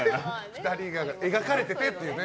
２人が描かれててっていうね。